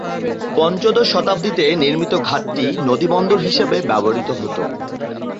পঞ্চদশ শতাব্দীতে নির্মিত ঘাটটি নদী বন্দর হিসেবে ব্যবহৃত হত।